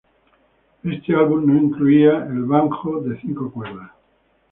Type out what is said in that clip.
Este álbum no incluía el banjo de cinco cuerdas.